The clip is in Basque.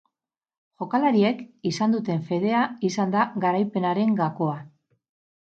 Jokalariek izan duten fedea izan da garaipenaren gakoa.